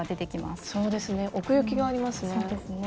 そうですね奥行きがありますね。